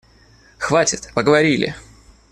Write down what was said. Хватит, поговорили!